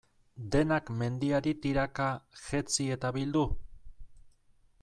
Denak mendiari tiraka, jetzi eta bildu?